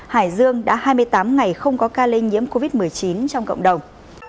hải dương đã hai mươi tám ngày không có ca lây nhiễm covid một mươi chín trong cộng đồng